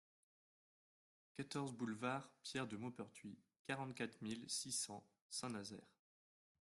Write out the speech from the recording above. quatorze boulevard Pierre de Maupertuis, quarante-quatre mille six cents Saint-Nazaire